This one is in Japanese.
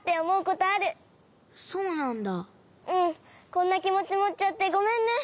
こんなきもちもっちゃってごめんね。